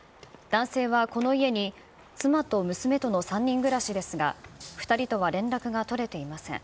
男性はこの家に妻と娘との３人暮らしですが、２人とは連絡が取れていません。